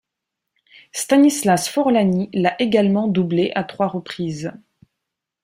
Stanislas Forlani l'a également doublé à trois reprises.